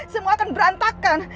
semua akan berantakan